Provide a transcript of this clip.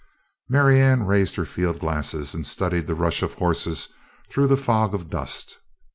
Marianne raised her field glasses and studied the rush of horses through the fog of dust.